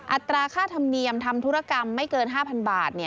อัตราค่าธรรมเนียมทำธุรกรรมไม่เกิน๕๐๐บาท